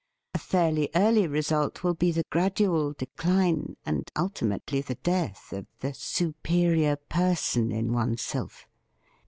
A fairly early result will be the gradual decline, and ultimately the death, of the superior person in one self.